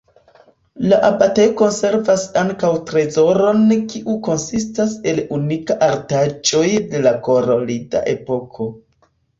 La abatejo konservas ankaŭ trezoron kiu konsistas el unikaj artaĵoj de la karolida epoko.